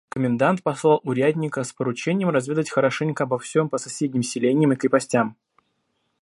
Комендант послал урядника с поручением разведать хорошенько обо всем по соседним селениям и крепостям.